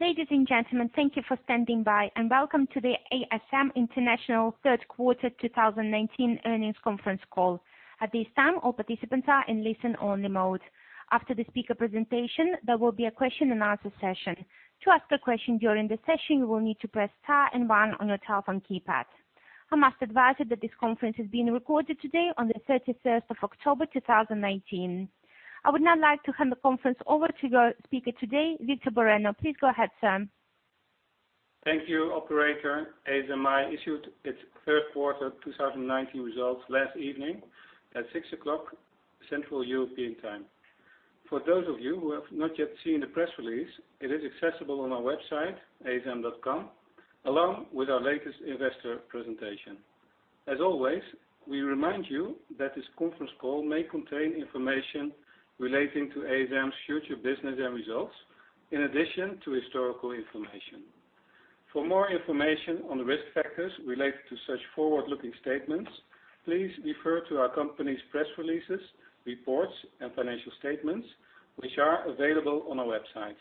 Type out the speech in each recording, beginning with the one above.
Ladies and gentlemen, thank you for standing by, and welcome to the ASM International third quarter 2019 earnings conference call. At this time, all participants are in listen-only mode. After the speaker presentation, there will be a question and answer session. To ask a question during the session, you will need to press star and one on your telephone keypad. I must advise you that this conference is being recorded today on the 31st of October, 2019. I would now like to hand the conference over to your speaker today, Victor Bareño. Please go ahead, sir. Thank you, operator. ASMI issued its third quarter 2019 results last evening at 6:00 Central European Time. For those of you who have not yet seen the press release, it is accessible on our website, asm.com, along with our latest investor presentation. As always, we remind you that this conference call may contain information relating to ASM's future business and results, in addition to historical information. For more information on the risk factors related to such forward-looking statements, please refer to our company's press releases, reports, and financial statements, which are available on our website.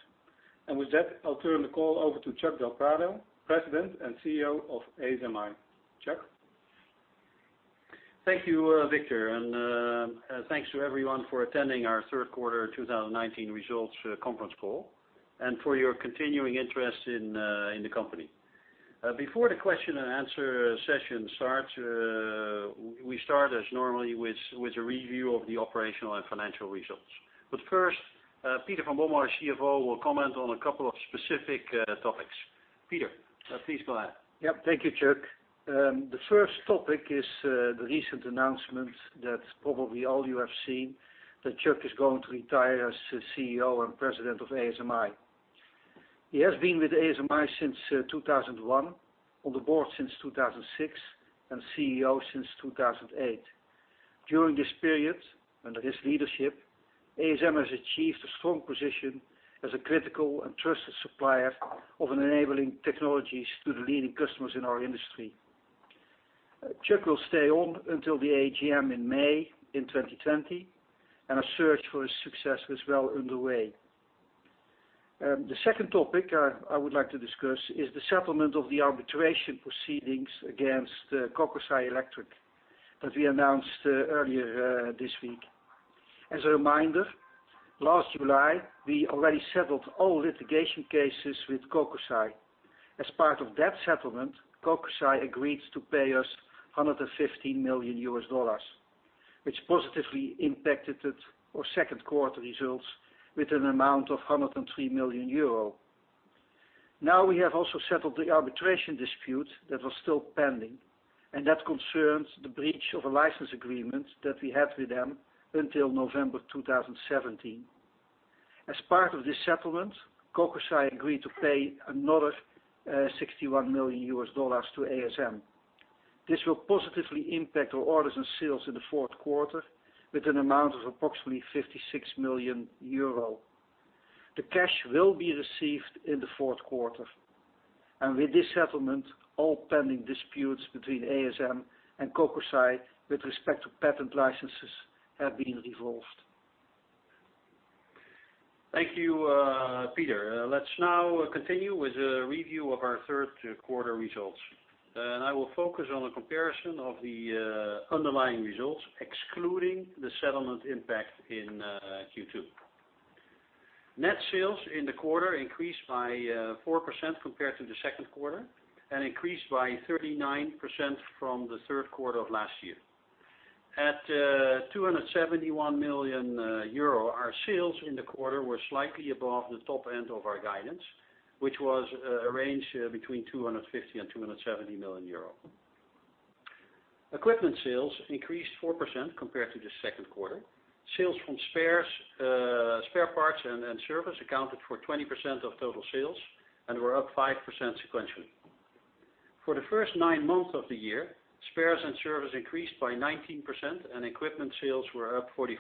With that, I'll turn the call over to Chuck del Prado, President and CEO of ASMI. Chuck? Thank you, Victor. Thanks to everyone for attending our third quarter 2019 results conference call and for your continuing interest in the company. Before the question and answer session starts, we start as normally with a review of the operational and financial results. First, Peter van Bommel, our CFO, will comment on a couple of specific topics. Peter, please go ahead. Yep. Thank you, Chuck. The first topic is the recent announcement that probably all you have seen, that Chuck is going to retire as the CEO and President of ASMI. He has been with ASMI since 2001, on the board since 2006, and CEO since 2008. During this period, under his leadership, ASMI has achieved a strong position as a critical and trusted supplier of enabling technologies to the leading customers in our industry. Chuck will stay on until the AGM in May in 2020, and a search for his successor is well underway. The second topic I would like to discuss is the settlement of the arbitration proceedings against Kokusai Electric that we announced earlier this week. As a reminder, last July, we already settled all litigation cases with Kokusai. As part of that settlement, Kokusai agreed to pay us $115 million, which positively impacted our second quarter results with an amount of 103 million euro. Now we have also settled the arbitration dispute that was still pending, and that concerns the breach of a license agreement that we had with them until November 2017. As part of this settlement, Kokusai agreed to pay another $61 million to ASM. This will positively impact our orders and sales in the fourth quarter with an amount of approximately 56 million euro. The cash will be received in the fourth quarter. With this settlement, all pending disputes between ASM and Kokusai with respect to patent licenses have been resolved. Thank you, Peter. Let's now continue with a review of our third quarter results. I will focus on a comparison of the underlying results, excluding the settlement impact in Q2. Net sales in the quarter increased by 4% compared to the second quarter, and increased by 39% from the third quarter of last year. At 271 million euro, our sales in the quarter were slightly above the top end of our guidance, which was a range between 250 million and 270 million euro. Equipment sales increased 4% compared to the second quarter. Sales from spare parts and service accounted for 20% of total sales and were up 5% sequentially. For the first nine months of the year, spares and service increased by 19% and equipment sales were up 44%.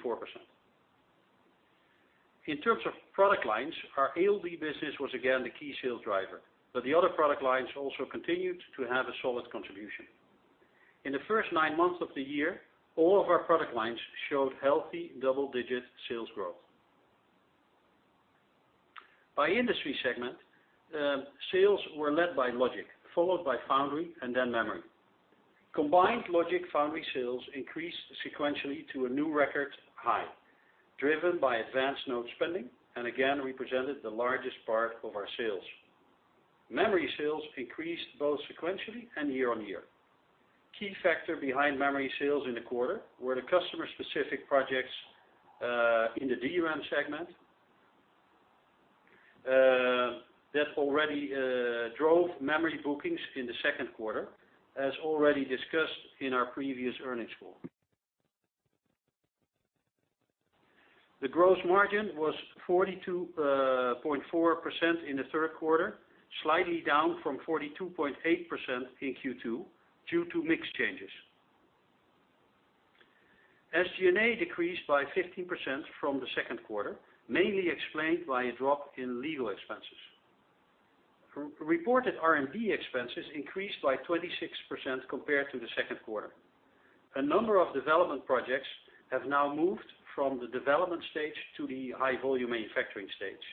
In terms of product lines, our ALD business was again the key sales driver. The other product lines also continued to have a solid contribution. In the first nine months of the year, all of our product lines showed healthy double-digit sales growth. By industry segment, sales were led by logic, followed by foundry, and then memory. Combined logic foundry sales increased sequentially to a new record high, driven by advanced node spending, and again represented the largest part of our sales. Memory sales increased both sequentially and year-on-year. Key factor behind memory sales in the quarter were the customer-specific projects, in the DRAM segment, that already drove memory bookings in the second quarter, as already discussed in our previous earnings call. The gross margin was 42.4% in the third quarter, slightly down from 42.8% in Q2 due to mix changes. SG&A decreased by 15% from the second quarter, mainly explained by a drop in legal expenses. Reported R&D expenses increased by 26% compared to the second quarter. A number of development projects have now moved from the development stage to the high-volume manufacturing stage.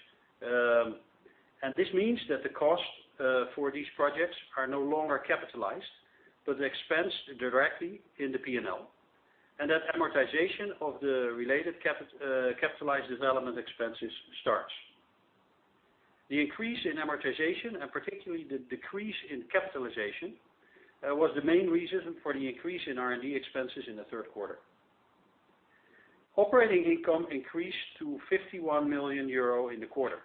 This means that the cost for these projects are no longer capitalized, but expensed directly in the P&L, and that amortization of the related capitalized development expenses starts. The increase in amortization, and particularly the decrease in capitalization, was the main reason for the increase in R&D expenses in the third quarter. Operating income increased to 51 million euro in the quarter.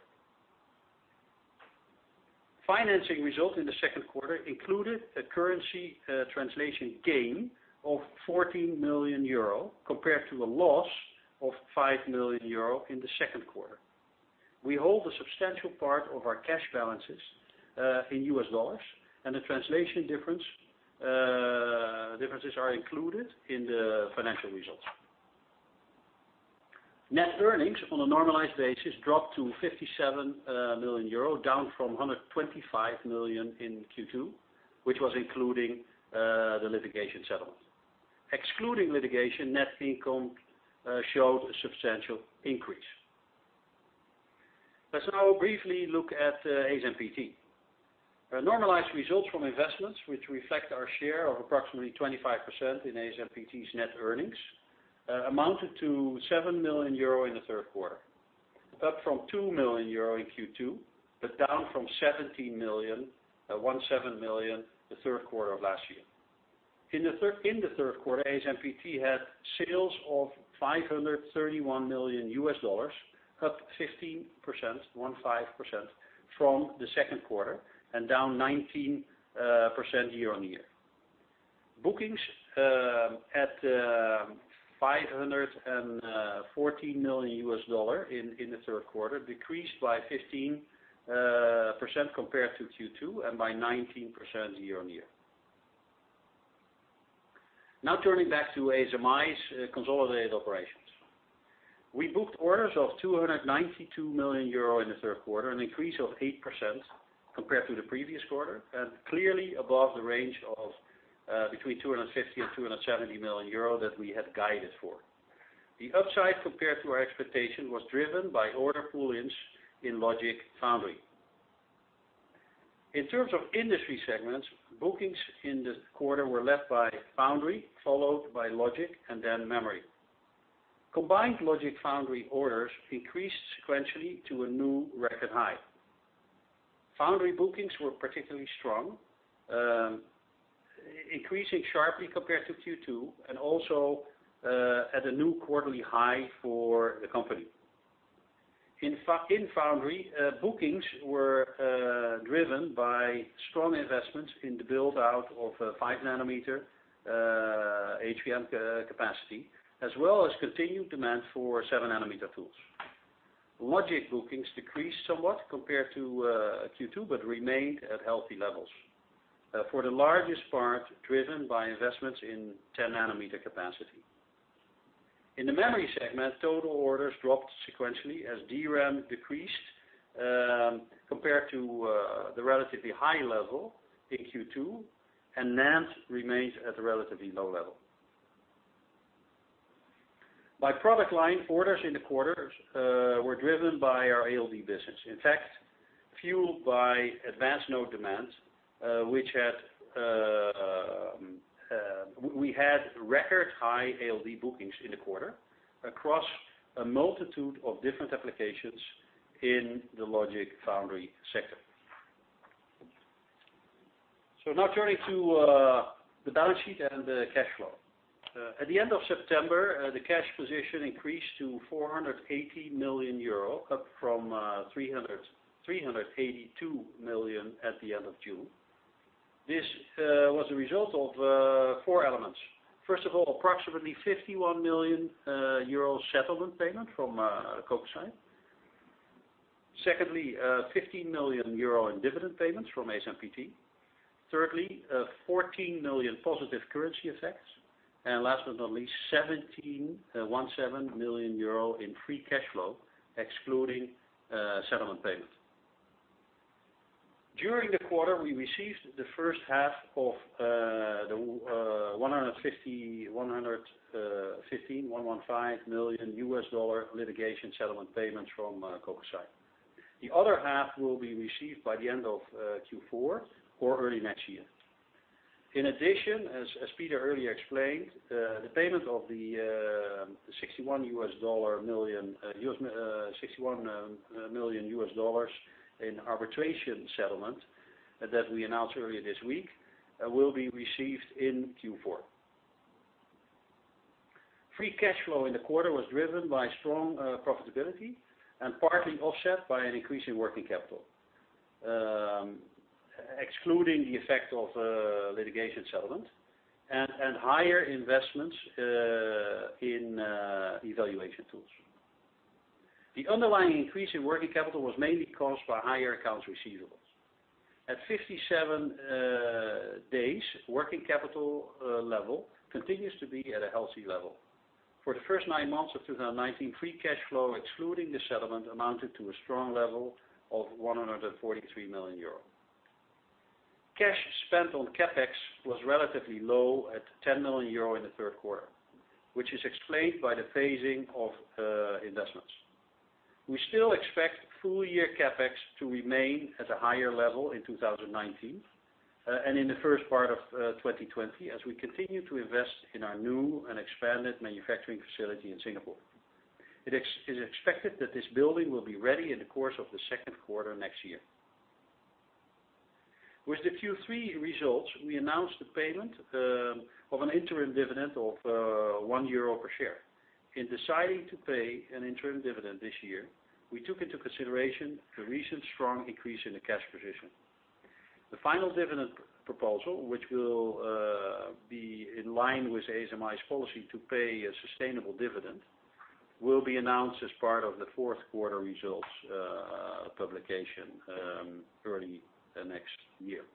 Financing result in the second quarter included a currency translation gain of 14 million euro, compared to a loss of 5 million euro in the second quarter. We hold a substantial part of our cash balances in US dollars, and the translation differences are included in the financial results. Net earnings on a normalized basis dropped to 57 million euro, down from 125 million in Q2, which was including the litigation settlement. Excluding litigation, net income showed a substantial increase. Let's now briefly look at ASMPT. Normalized results from investments, which reflect our share of approximately 25% in ASMPT's net earnings, amounted to 7 million euro in the third quarter, up from 2 million euro in Q2, but down from 17 million, the third quarter of last year. In the third quarter, ASMPT had sales of $531 million, up 15% from the second quarter and down 19% year-on-year. Bookings at $514 million in the third quarter decreased by 15% compared to Q2 and by 19% year-on-year. Now turning back to ASMI's consolidated operations. We booked orders of 292 million euro in the third quarter, an increase of 8% compared to the previous quarter and clearly above the range of between 250 million and 270 million euro that we had guided for. The upside compared to our expectation was driven by order pull-ins in logic foundry. In terms of industry segments, bookings in this quarter were led by foundry, followed by logic, and then memory. Combined logic foundry orders increased sequentially to a new record high. Foundry bookings were particularly strong, increasing sharply compared to Q2 and also at a new quarterly high for the company. In foundry, bookings were driven by strong investments in the build-out of a 5 nanometer HVM capacity, as well as continued demand for 7 nanometer tools. Logic bookings decreased somewhat compared to Q2 but remained at healthy levels, for the largest part driven by investments in 10 nanometer capacity. In the memory segment, total orders dropped sequentially as DRAM decreased compared to the relatively high level in Q2, and NAND remains at a relatively low level. By product line, orders in the quarter were driven by our ALD business. In fact, fueled by advanced node demand, we had record-high ALD bookings in the quarter across a multitude of different applications in the logic foundry sector. Now turning to the balance sheet and the cash flow. At the end of September, the cash position increased to 480 million euro, up from 382 million at the end of June. This was a result of four elements. First of all, approximately 51 million euro settlement payment from Kokusai. Secondly, 15 million euro in dividend payments from ASMPT. Thirdly, 14 million positive currency effects. Last but not least, 17 million euro in free cash flow, excluding settlement payment. During the quarter, we received the first half of the $115 million litigation settlement payments from Kokusai. The other half will be received by the end of Q4 or early next year. In addition, as Peter earlier explained, the payment of the $61 million in arbitration settlement that we announced earlier this week will be received in Q4. Free cash flow in the quarter was driven by strong profitability and partly offset by an increase in working capital, excluding the effect of litigation settlement and higher investments in evaluation tools. The underlying increase in working capital was mainly caused by higher accounts receivables. At 57 days, working capital level continues to be at a healthy level. For the first nine months of 2019, free cash flow, excluding the settlement, amounted to a strong level of 143 million euro. Cash spent on CapEx was relatively low at 10 million euro in the third quarter, which is explained by the phasing of investments. We still expect full-year CapEx to remain at a higher level in 2019, and in the first part of 2020, as we continue to invest in our new and expanded manufacturing facility in Singapore. It is expected that this building will be ready in the course of the second quarter next year. With the Q3 results, we announced the payment of an interim dividend of EUR one per share. In deciding to pay an interim dividend this year, we took into consideration the recent strong increase in the cash position. The final dividend proposal, which will be in line with ASMI's policy to pay a sustainable dividend, will be announced as part of the fourth quarter results publication early next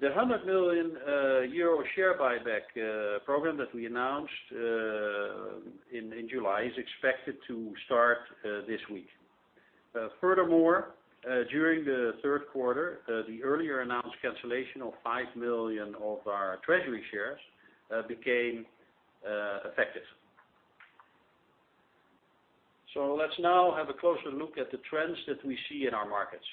year. The 100 million euro share buyback program that we announced in July is expected to start this week. Furthermore, during the third quarter, the earlier announced cancellation of 5 million of our treasury shares became effective. Let's now have a closer look at the trends that we see in our markets.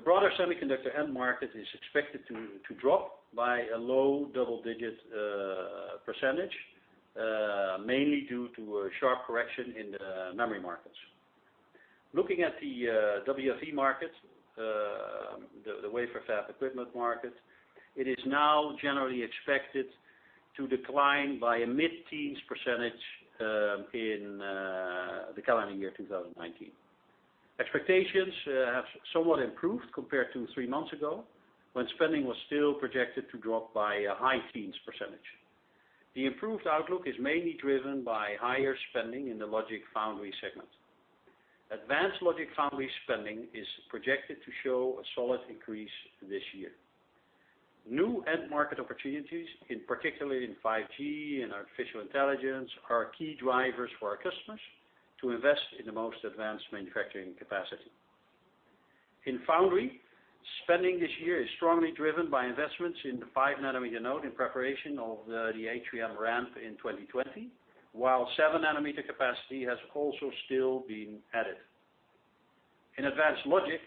The broader semiconductor end market is expected to drop by a low double-digit %, mainly due to a sharp correction in the memory markets. Looking at the WFE market, the wafer fab equipment market, it is now generally expected to decline by a mid-teens % in the calendar year 2019. Expectations have somewhat improved compared to three months ago, when spending was still projected to drop by a high teens %. The improved outlook is mainly driven by higher spending in the logic foundry segment. Advanced logic foundry spending is projected to show a solid increase this year. New end market opportunities, in particular in 5G and artificial intelligence, are key drivers for our customers to invest in the most advanced manufacturing capacity. In foundry, spending this year is strongly driven by investments in the 5 nanometer node in preparation of the HVM ramp in 2020, while 7 nanometer capacity has also still been added. In advanced logic,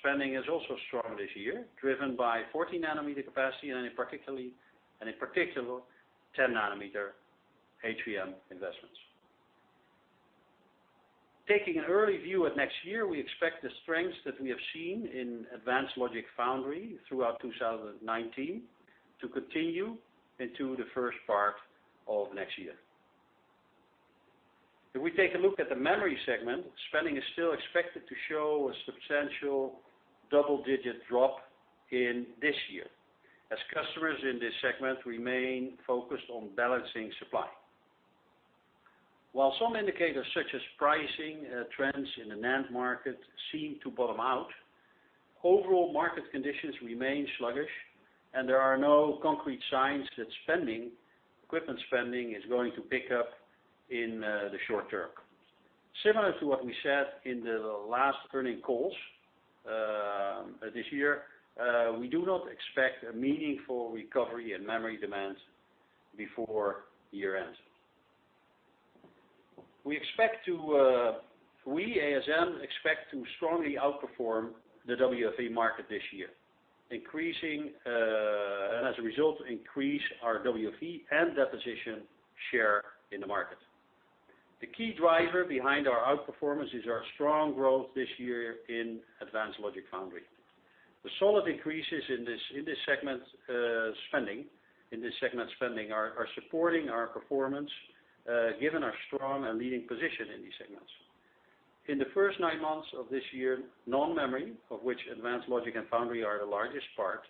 spending is also strong this year, driven by 14 nanometer capacity, and in particular, 10 nanometer HVM investments. Taking an early view of next year, we expect the strengths that we have seen in advanced logic foundry throughout 2019 to continue into the first part of next year. If we take a look at the memory segment, spending is still expected to show a substantial double-digit drop in this year, as customers in this segment remain focused on balancing supply. While some indicators such as pricing trends in the NAND market seem to bottom out, overall market conditions remain sluggish, and there are no concrete signs that equipment spending is going to pick up in the short term. Similar to what we said in the last earnings calls this year, we do not expect a meaningful recovery in memory demand before year-end. We, ASM, expect to strongly outperform the WFE market this year. As a result, increase our WFE and deposition share in the market. The key driver behind our outperformance is our strong growth this year in advanced logic foundry. The solid increases in this segment spending are supporting our performance, given our strong and leading position in these segments. In the first nine months of this year, non-memory, of which advanced logic and foundry are the largest part,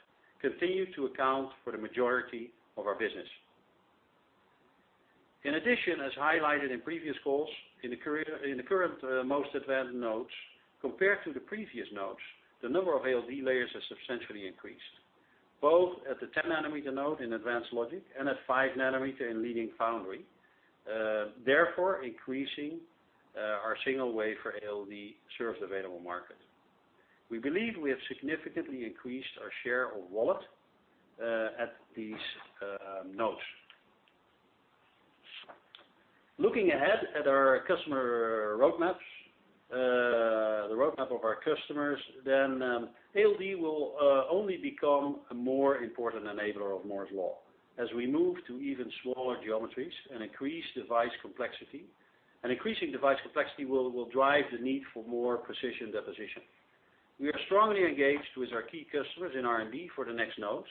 continued to account for the majority of our business. In addition, as highlighted in previous calls, in the current most advanced nodes, compared to the previous nodes, the number of ALD layers has substantially increased, both at the 10 nanometer node in advanced logic and at five nanometer in leading foundry, therefore, increasing our single wafer ALD served available market. We believe we have significantly increased our share of wallet at these nodes. Looking ahead at our customer roadmaps, ALD will only become a more important enabler of Moore's Law. As we move to even smaller geometries and an increasing device complexity will drive the need for more precision deposition. We are strongly engaged with our key customers in R&D for the next nodes.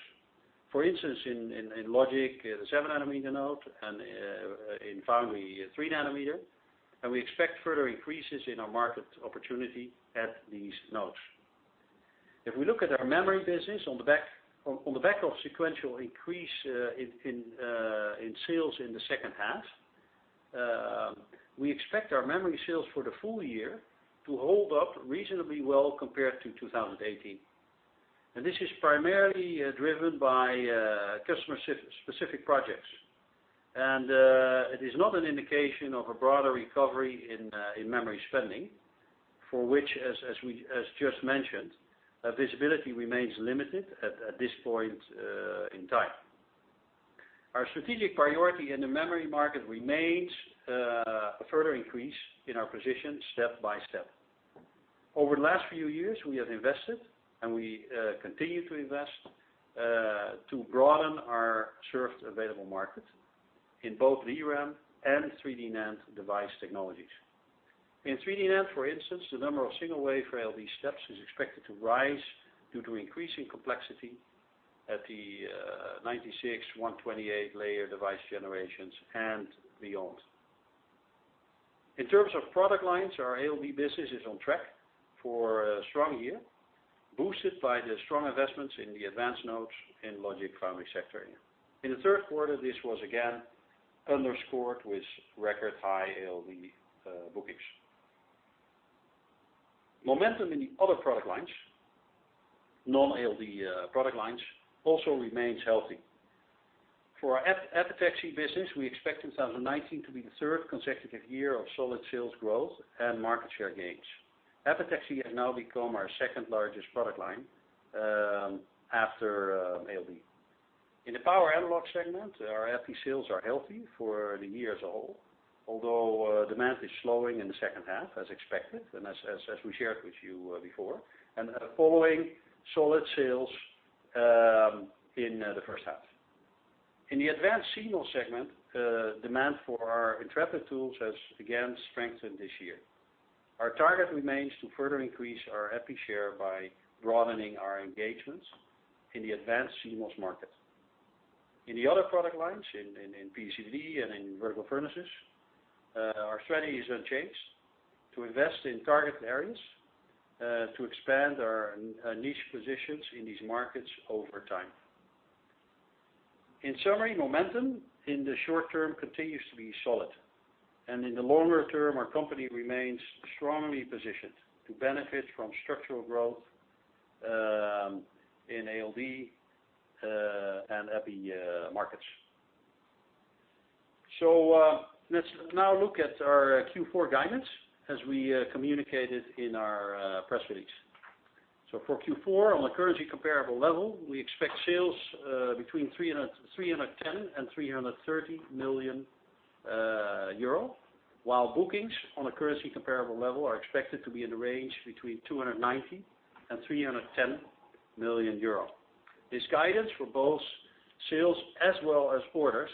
For instance, in logic, the seven nanometer node, in foundry, three nanometer, we expect further increases in our market opportunity at these nodes. If we look at our memory business, on the back of sequential increase in sales in the second half, we expect our memory sales for the full year to hold up reasonably well compared to 2018. This is primarily driven by customer-specific projects. It is not an indication of a broader recovery in memory spending, for which, as just mentioned, visibility remains limited at this point in time. Our strategic priority in the memory market remains a further increase in our position step by step. Over the last few years, we have invested, and we continue to invest to broaden our served available market in both DRAM and 3D NAND device technologies. In 3D NAND, for instance, the number of single wafer ALD steps is expected to rise due to increasing complexity at the 96, 128-layer device generations and beyond. In terms of product lines, our ALD business is on track for a strong year, boosted by the strong investments in the advanced nodes in logic foundry sector. In the third quarter, this was again underscored with record high ALD bookings. Momentum in the other product lines, non-ALD product lines, also remains healthy. For our epitaxy business, we expect 2019 to be the third consecutive year of solid sales growth and market share gains. Epitaxy has now become our second-largest product line after ALD. In the power analog segment, our epi sales are healthy for the year as a whole, although demand is slowing in the second half as expected and as we shared with you before, and following solid sales in the first half. In the advanced CMOS segment, demand for our Intrepid tools has again strengthened this year. Our target remains to further increase our epi share by broadening our engagements in the advanced CMOS market. In the other product lines, in PVD and in vertical furnaces, our strategy is unchanged: to invest in target areas, to expand our niche positions in these markets over time. Momentum in the short term continues to be solid. In the longer term, our company remains strongly positioned to benefit from structural growth in ALD and EPI markets. Let's now look at our Q4 guidance as we communicated in our press release. For Q4, on a currency-comparable level, we expect sales between 310 million and 330 million euro, while bookings on a currency-comparable level are expected to be in the range between 290 million and 310 million euro. This guidance for both sales as well as orders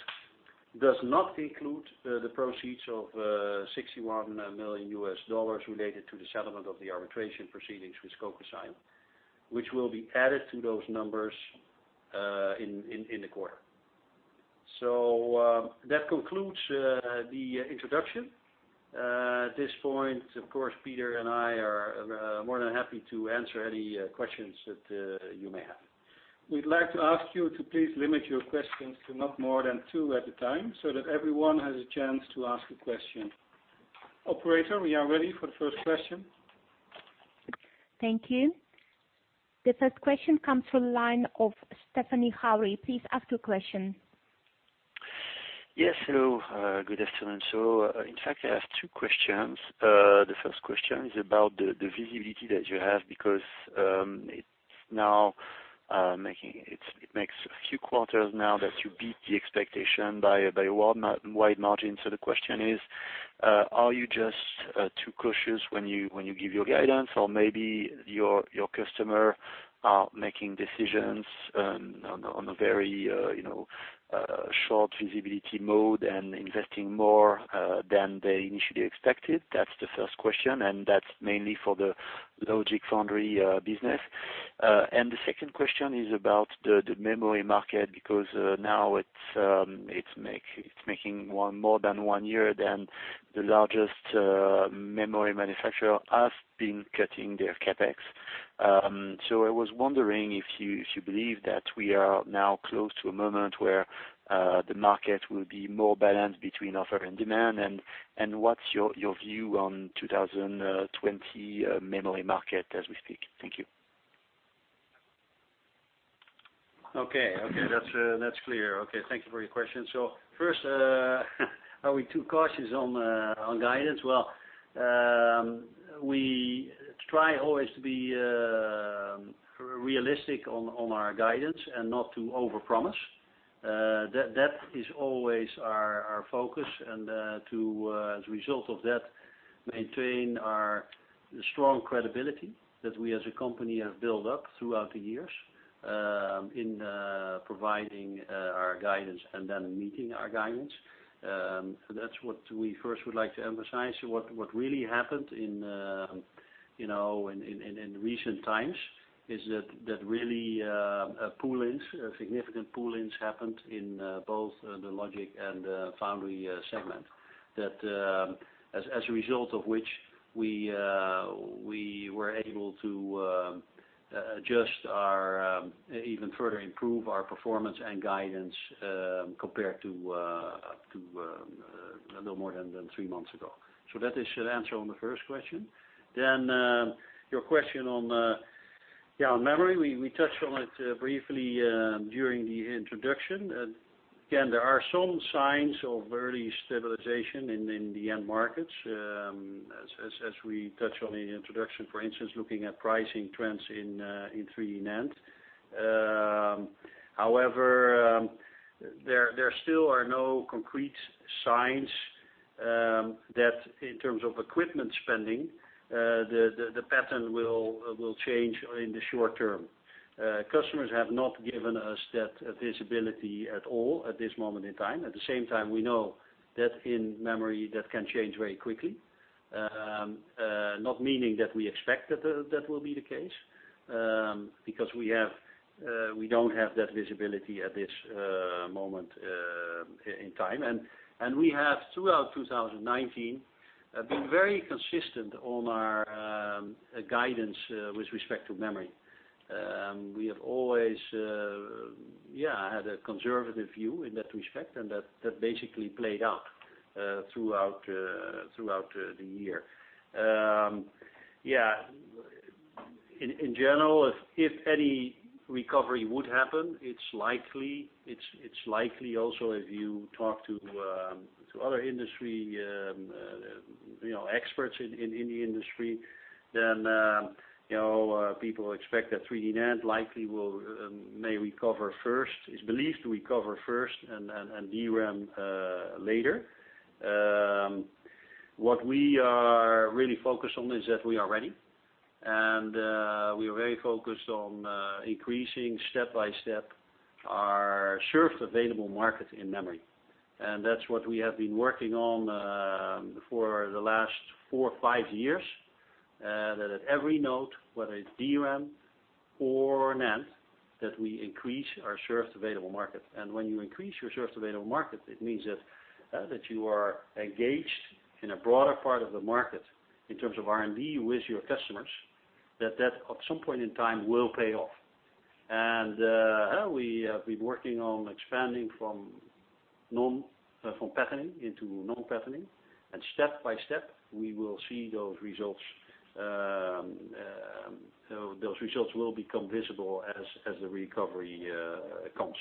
does not include the proceeds of $61 million related to the settlement of the arbitration proceedings with Kokusai, which will be added to those numbers in the quarter. That concludes the introduction. At this point, of course, Peter and I are more than happy to answer any questions that you may have. We'd like to ask you to please limit your questions to not more than two at a time so that everyone has a chance to ask a question. Operator, we are ready for the first question. Thank you. The first question comes from the line of Stéphane Houri. Please ask your question. Yes, hello, good afternoon. In fact, I have two questions. The first question is about the visibility that you have, because it makes a few quarters now that you beat the expectation by a wide margin. The question is, are you just too cautious when you give your guidance? Or maybe your customer are making decisions on a very short visibility mode and investing more than they initially expected? That's the first question, and that's mainly for the logic foundry business. The second question is about the memory market, because now it's making more than one year than the largest memory manufacturer have been cutting their CapEx. I was wondering if you believe that we are now close to a moment where the market will be more balanced between offer and demand? What's your view on 2020 memory market as we speak? Thank you. That's clear. Thank you for your question. First, are we too cautious on guidance? We try always to be realistic on our guidance and not to overpromise. That is always our focus and as a result of that, maintain our strong credibility that we as a company have built up throughout the years in providing our guidance and then meeting our guidance. That's what we first would like to emphasize. What really happened in recent times is that really significant pull-ins happened in both the logic and foundry segment, that as a result of which we were able to even further improve our performance and guidance, compared to a little more than three months ago. That is your answer on the first question. Your question on memory. We touched on it briefly during the introduction. Again, there are some signs of early stabilization in the end markets, as we touched on in the introduction, for instance, looking at pricing trends in 3D NAND. However, there still are no concrete signs that in terms of equipment spending, the pattern will change in the short term. Customers have not given us that visibility at all at this moment in time. At the same time, we know that in memory, that can change very quickly. Not meaning that we expect that will be the case, because we don't have that visibility at this moment in time. We have throughout 2019, been very consistent on our guidance with respect to memory. We have always had a conservative view in that respect, and that basically played out throughout the year. In general, if any recovery would happen, it's likely also if you talk to other industry experts in the industry, then people expect that 3D NAND likely may recover first, is believed to recover first and DRAM later. What we are really focused on is that we are ready, and we are very focused on increasing step by step our served available market in memory. That's what we have been working on for the last four or five years. That at every node, whether it's DRAM or NAND, that we increase our served available market. When you increase your served available market, it means that you are engaged in a broader part of the market in terms of R&D with your customers, that at some point in time will pay off. We have been working on expanding from patterning into non-patterning, step by step we will see those results. Those results will become visible as the recovery comes.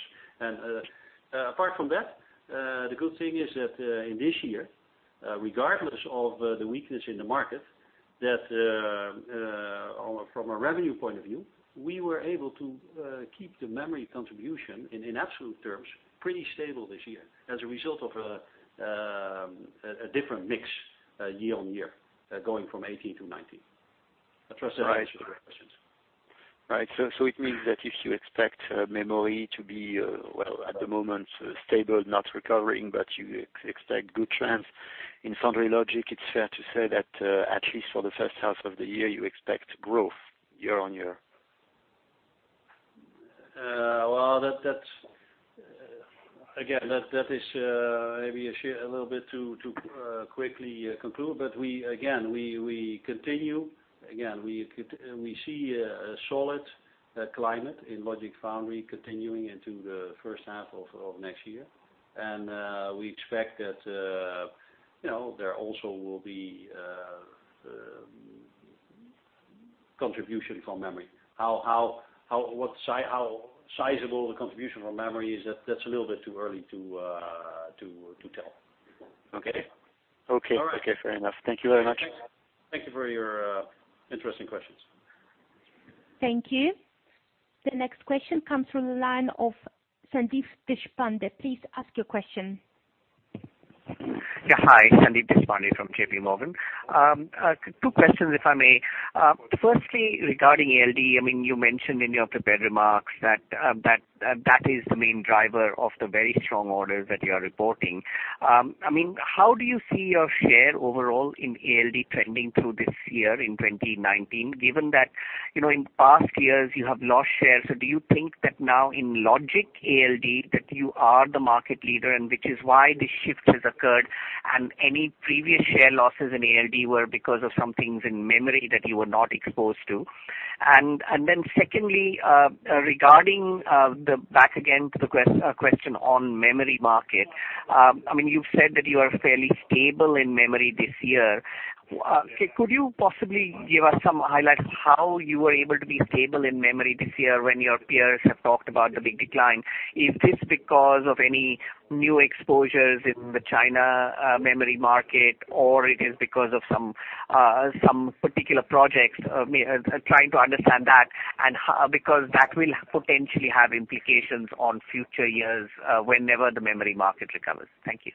Apart from that, the good thing is that in this year, regardless of the weakness in the market, that from a revenue point of view, we were able to keep the memory contribution in absolute terms, pretty stable this year as a result of a different mix year-on-year, going from 2018 to 2019. I trust that answers your questions. Right. It means that if you expect memory to be, well, at the moment stable, not recovering, but you expect good trends in foundry logic, it's fair to say that at least for the first half of the year, you expect growth year-on-year. Well. That is maybe a little bit too quickly conclude, but again, we see a solid climate in logic foundry continuing into the first half of next year. We expect that there also will be contribution from memory. How sizable the contribution from memory is, that's a little bit too early to tell. Okay? Okay. All right. Okay, fair enough. Thank you very much. Thank you for your interesting questions. Thank you. The next question comes from the line of Sandeep Deshpande. Please ask your question. Hi, Sandeep Deshpande from JPMorgan. Two questions, if I may. Firstly, regarding ALD, you mentioned in your prepared remarks that is the main driver of the very strong orders that you're reporting. How do you see your share overall in ALD trending through this year in 2019, given that in past years you have lost shares? Do you think that now in logic ALD that you are the market leader and which is why this shift has occurred, and any previous share losses in ALD were because of some things in memory that you were not exposed to? Secondly, regarding back again to the question on memory market. You've said that you are fairly stable in memory this year. Could you possibly give us some highlights on how you were able to be stable in memory this year when your peers have talked about the big decline? Is this because of any new exposures in the China memory market or it is because of some particular projects? Trying to understand that, because that will potentially have implications on future years, whenever the memory market recovers. Thank you.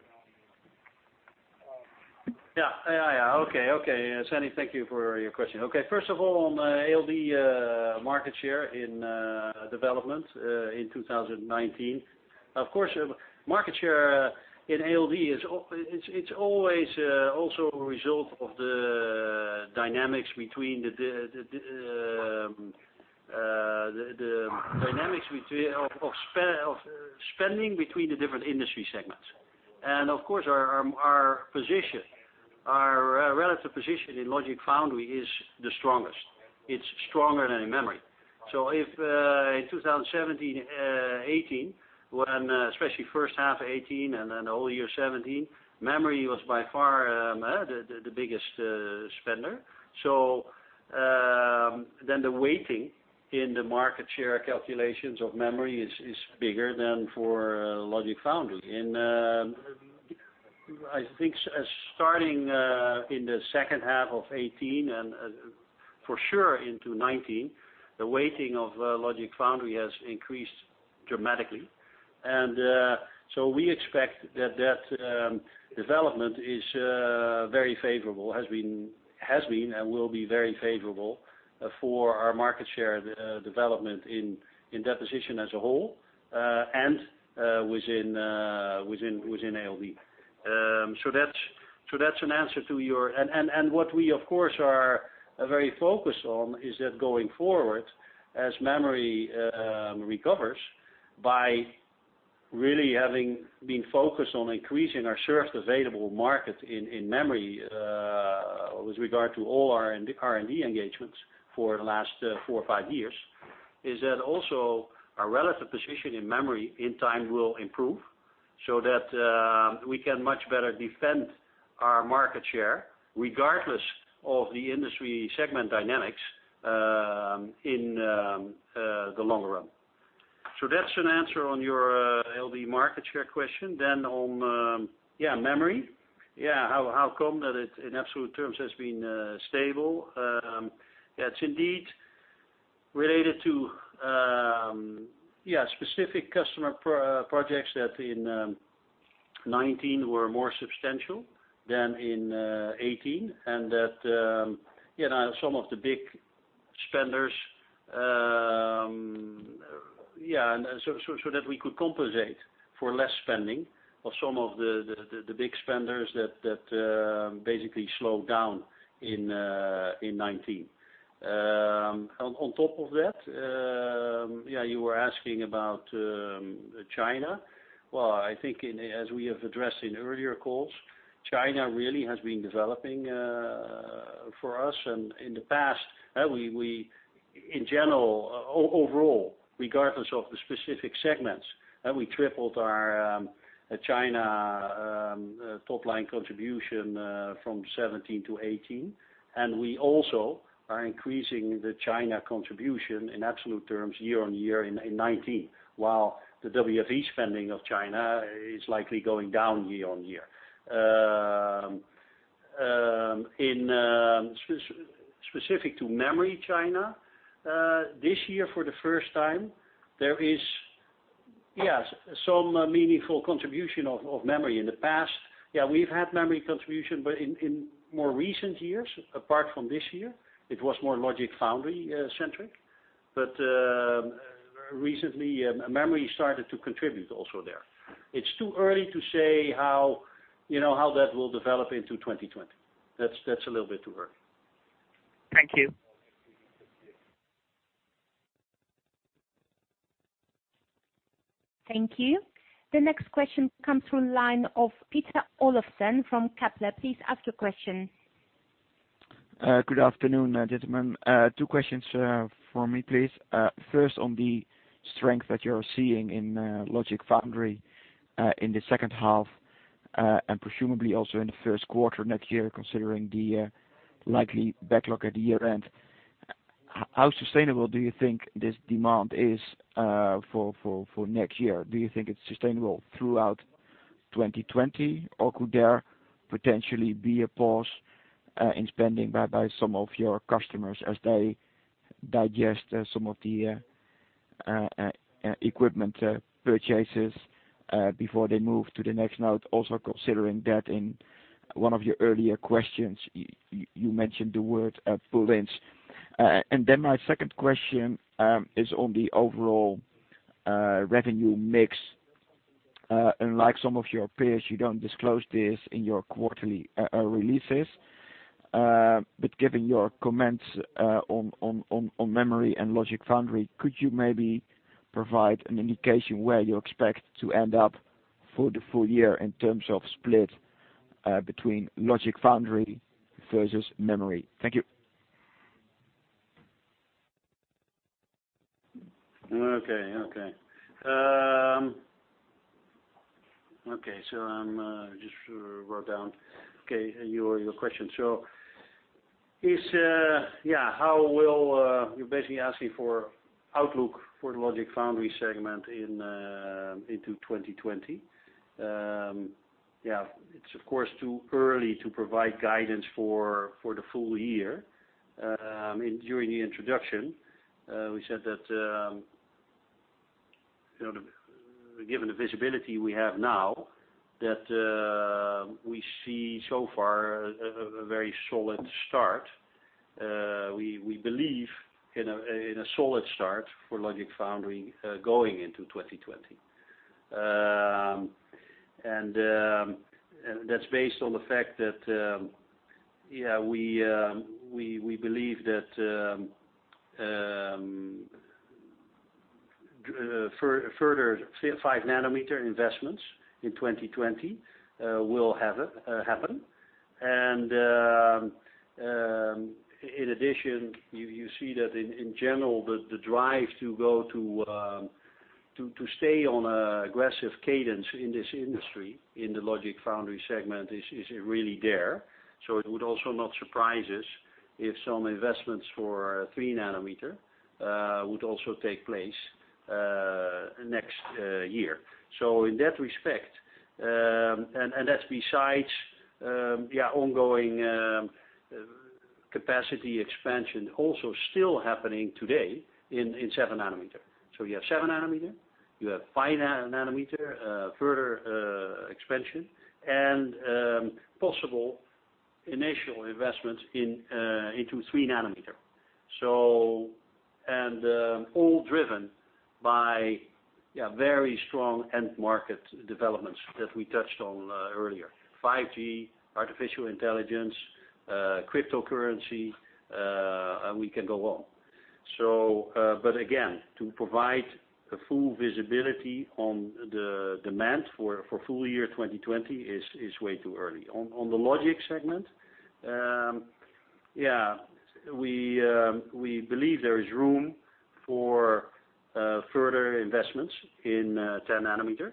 Yeah. Okay. Sandeep, thank you for your question. First of all, on ALD market share in development, in 2019. Of course, market share in ALD, it is always also a result of the dynamics of spending between the different industry segments. Of course, Our relative position in logic foundry is the strongest. It is stronger than in memory. In 2017 and 2018, especially first half 2018 and then the whole year 2017, memory was by far the biggest spender. The weighting in the market share calculations of memory is bigger than for logic foundry. I think starting in the second half of 2018 and for sure into 2019, the weighting of logic foundry has increased dramatically. We expect that development is very favorable, has been and will be very favorable for our market share development in deposition as a whole, and within ALD. That's an answer to your. What we of course are very focused on is that going forward, as memory recovers by really having been focused on increasing our served available market in memory with regard to all our R&D engagements for the last four or five years, is that also our relative position in memory in time will improve, so that we can much better defend our market share regardless of the industry segment dynamics in the longer run. That's an answer on your ALD market share question. On memory. How come that it in absolute terms has been stable? That's indeed related to specific customer projects that in 2019 were more substantial than in 2018, and that some of the big spenders, so that we could compensate for less spending of some of the big spenders that basically slowed down in 2019. On top of that, you were asking about China. Well, I think as we have addressed in earlier calls, China really has been developing for us. In the past, in general, overall, regardless of the specific segments, we tripled our China top-line contribution from 2017 to 2018. We also are increasing the China contribution in absolute terms year-on-year in 2019, while the WFE spending of China is likely going down year-on-year. Specific to memory China, this year for the first time, there is some meaningful contribution of memory. In the past, we've had memory contribution, but in more recent years, apart from this year, it was more logic foundry-centric. Recently, memory started to contribute also there. It's too early to say how that will develop into 2020. That's a little bit too early. Thank you. Thank you. The next question comes through line of Peter Olofsen from Kepler. Please ask your question. Good afternoon, gentlemen. Two questions from me, please. First, on the strength that you're seeing in logic foundry in the second half, and presumably also in the first quarter next year, considering the likely backlog at year-end. How sustainable do you think this demand is for next year? Do you think it's sustainable throughout 2020, or could there potentially be a pause in spending by some of your customers as they digest some of the equipment purchases before they move to the next node? Also considering that in one of your earlier questions, you mentioned the word pull-ins. My second question is on the overall revenue mix. Unlike some of your peers, you don't disclose this in your quarterly releases. Given your comments on memory and logic foundry, could you maybe provide an indication where you expect to end up for the full year in terms of split between logic foundry versus memory? Thank you. Okay. I just wrote down your question. You're basically asking for outlook for the logic foundry segment into 2020. It's of course too early to provide guidance for the full year. During the introduction, we said that given the visibility we have now, that we see so far a very solid start. We believe in a solid start for logic foundry going into 2020. That's based on the fact that we believe that further 5-nanometer investments in 2020 will happen. In addition, you see that in general, the drive to stay on an aggressive cadence in this industry, in the logic foundry segment, is really there. It would also not surprise us if some investments for 3-nanometer would also take place next year. In that respect, and that's besides our ongoing capacity expansion also still happening today in 7-nanometer. You have 7-nanometer, you have 5-nanometer further expansion, and possible initial investments into 3-nanometer. All driven by very strong end market developments that we touched on earlier, 5G, artificial intelligence, cryptocurrency, and we can go on. Again, to provide a full visibility on the demand for full year 2020 is way too early. On the logic segment, we believe there is room for further investments in 10-nanometer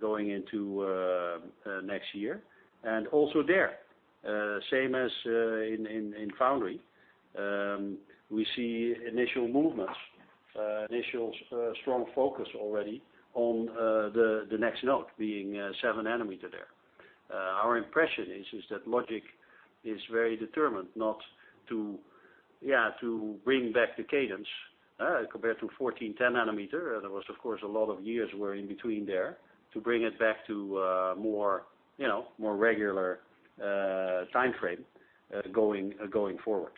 going into next year. Also there, same as in foundry, we see initial movements, initial strong focus already on the next node being 7-nanometer there. Our impression is that logic is very determined not to bring back the cadence compared to 14-nanometer, 10-nanometer. There was, of course, a lot of years were in between there to bring it back to a more regular timeframe going forward.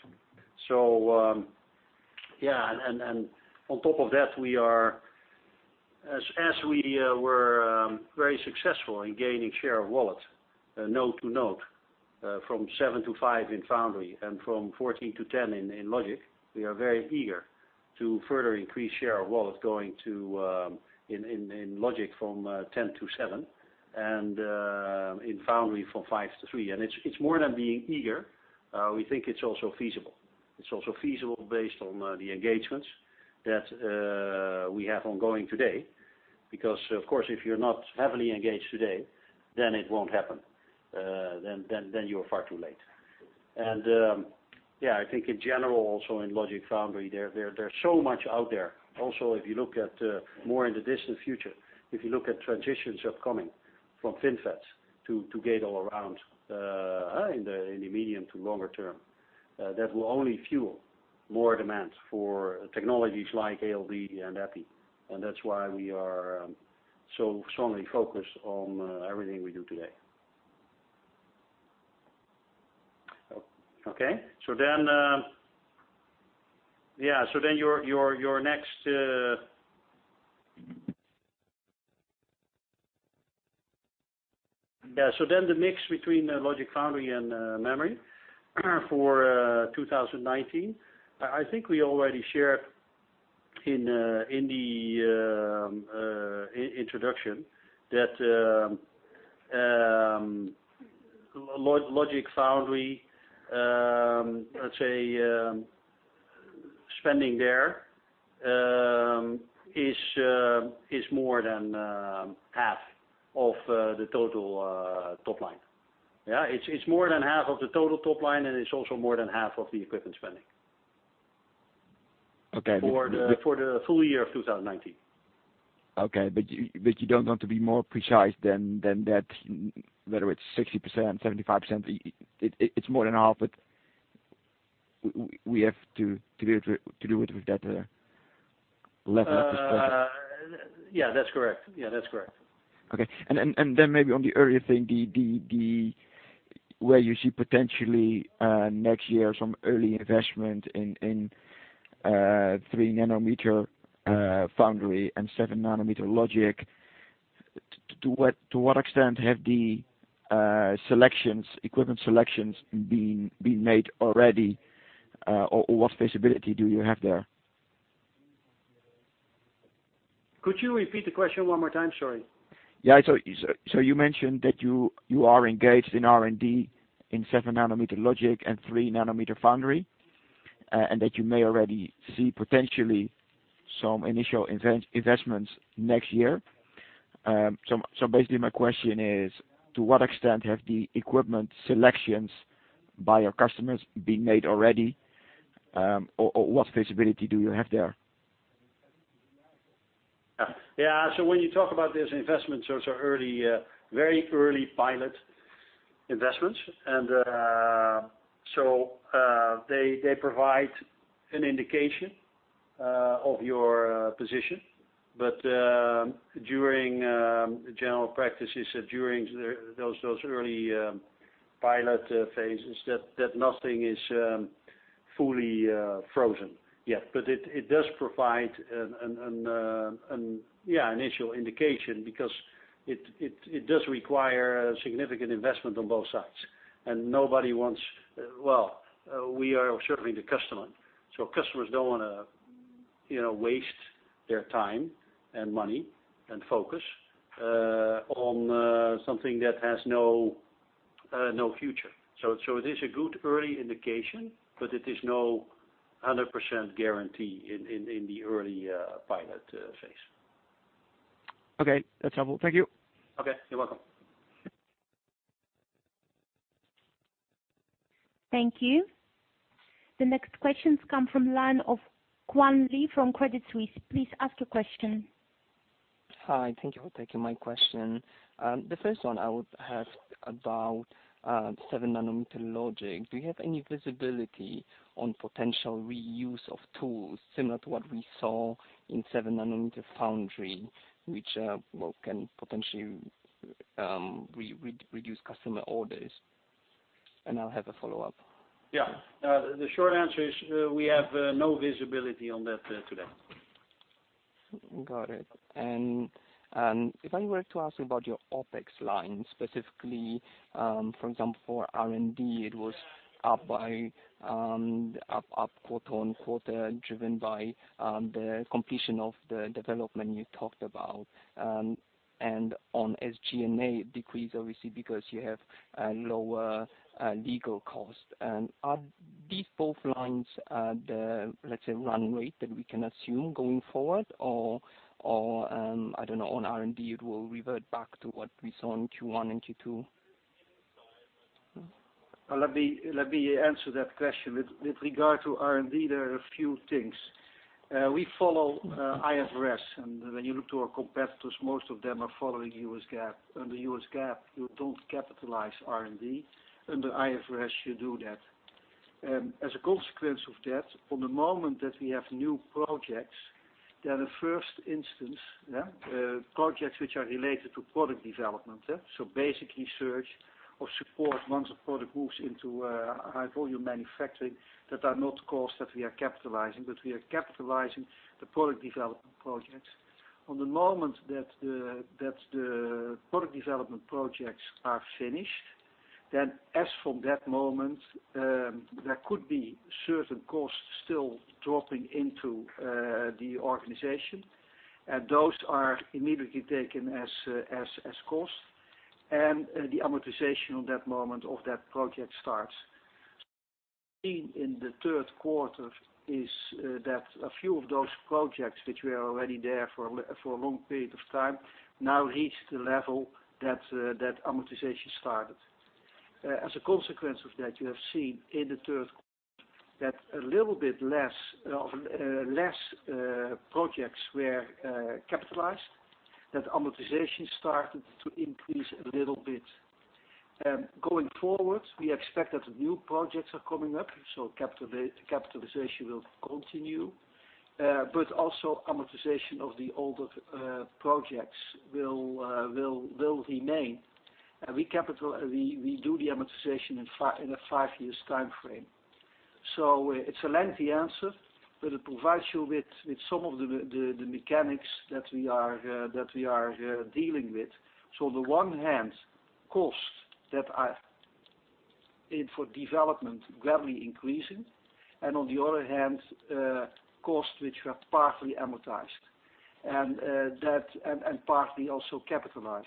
On top of that, as we were very successful in gaining share of wallet, node to node from 7 to 5 in foundry and from 14 to 10 in logic. We are very eager to further increase share of wallet going to in logic from 10 to 7 and in foundry from 5 to 3. It's more than being eager. We think it's also feasible. It's also feasible based on the engagements that we have ongoing today. Of course, if you're not heavily engaged today, then it won't happen, then you are far too late. I think in general, also in logic foundry, there's so much out there. Also, if you look at more in the distant future, if you look at transitions upcoming from FinFET to gate-all-around in the medium to longer term. That will only fuel more demand for technologies like ALD and EPI, and that's why we are so strongly focused on everything we do today. Okay. The mix between logic foundry and memory for 2019. I think we already shared in the introduction that logic foundry, let's say, spending there is more than half of the total top line. It's more than half of the total top line, and it's also more than half of the equipment spending. Okay. For the full year of 2019. Okay, you don't want to be more precise than that, whether it's 60%, 75%. It's more than half, but we have to do it with that level of discretion. Yeah, that's correct. Okay. Then maybe on the earlier thing, where you see potentially next year some early investment in 3-nanometer foundry and 7-nanometer logic. To what extent have the equipment selections been made already? Or what visibility do you have there? Could you repeat the question one more time? Sorry. Yeah. You mentioned that you are engaged in R&D in 7-nanometer logic and 3-nanometer foundry, and that you may already see potentially some initial investments next year. Basically, my question is, to what extent have the equipment selections by your customers been made already? What visibility do you have there? Yeah. When you talk about these investments, those are very early pilot investments. They provide an indication of your position. General practice is that during those early pilot phases, that nothing is fully frozen yet. It does provide an initial indication, because it does require a significant investment on both sides, and nobody wants Well, we are serving the customer, so customers don't want to waste their time and money and focus on something that has no future. It is a good early indication, but it is no 100% guarantee in the early pilot phase. Okay, that's helpful. Thank you. Okay, you're welcome. Thank you. The next questions come from line of Achal Sultania from Credit Suisse. Please ask your question. Hi. Thank you for taking my question. The first one I would ask about 7-nanometer logic. Do you have any visibility on potential reuse of tools similar to what we saw in 7-nanometer foundry, which can potentially reduce customer orders? I'll have a follow-up. Yeah. The short answer is we have no visibility on that today. Got it. If I were to ask about your OpEx line specifically, for example, R&D, it was up quarter-on-quarter, driven by the completion of the development you talked about. On SG&A, it decreased, obviously, because you have lower legal costs. Are these both lines the, let's say, run rate that we can assume going forward? I don't know, on R&D, it will revert back to what we saw in Q1 and Q2? Let me answer that question. With regard to R&D, there are a few things. We follow IFRS. When you look to our competitors, most of them are following US GAAP. Under US GAAP, you don't capitalize R&D. Under IFRS, you do that. As a consequence of that, from the moment that we have new projects, the first instance, projects which are related to product development. Basically search or support once a product moves into high volume manufacturing, that are not costs that we are capitalizing. We are capitalizing the product development projects. At the moment that the product development projects are finished, as from that moment, there could be certain costs still dropping into the organization, those are immediately taken as cost. The amortization at that moment of that project starts. Seen in the third quarter is that a few of those projects, which were already there for a long period of time, now reached the level that amortization started. As a consequence of that, you have seen in the third quarter that a little bit less projects were capitalized, that amortization started to increase a little bit. Going forward, we expect that the new projects are coming up, capitalization will continue. Also amortization of the older projects will remain. We do the amortization in a five-year timeframe. It's a lengthy answer, but it provides you with some of the mechanics that we are dealing with. On the one hand, costs that are in for development gradually increasing, and on the other hand, costs which were partly amortized and partly also capitalized,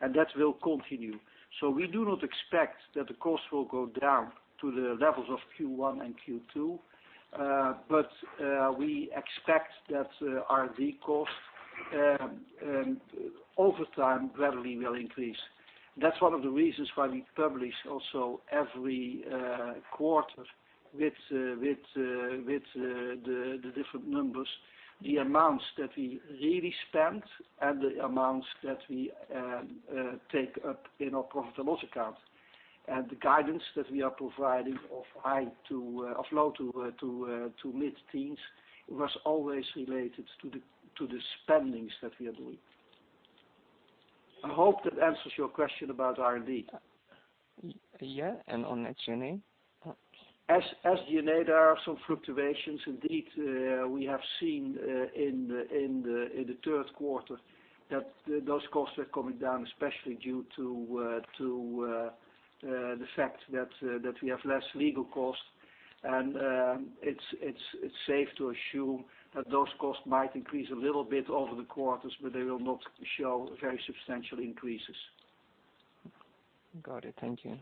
and that will continue. We do not expect that the cost will go down to the levels of Q1 and Q2, but we expect that R&D cost over time gradually will increase. That's one of the reasons why we publish also every quarter with the different numbers, the amounts that we really spent and the amounts that we take up in our profit and loss account. The guidance that we are providing of low to mid-teens was always related to the spendings that we are doing. I hope that answers your question about R&D. Yeah. On SG&A? SG&A, there are some fluctuations indeed. We have seen in the third quarter that those costs are coming down, especially due to the fact that we have less legal costs. It's safe to assume that those costs might increase a little bit over the quarters, but they will not show very substantial increases. Got it. Thank you.